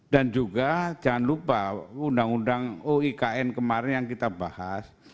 dan juga jangan lupa undang undang oikn kemarin yang kita bahas